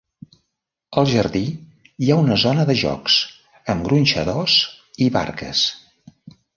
Al jardí hi ha una zona de jocs amb gronxadors i barques.